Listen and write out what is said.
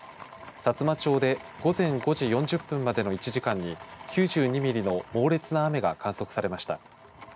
さつま町で午前５時４０分までの１時間に９２ミリの猛烈な雨が観測されました。